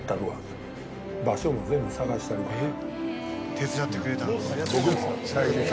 手伝ってくれたんです。